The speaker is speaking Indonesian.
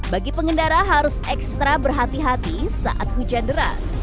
bagi pengendara harus ekstra berhati hati saat hujan deras